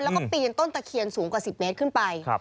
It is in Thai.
แล้วก็ปีนต้นตะเคียนสูงกว่า๑๐เมตรขึ้นไป